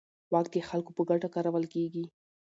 واک د خلکو په ګټه کارول کېږي.